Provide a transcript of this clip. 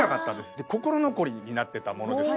心残りになってたものですから。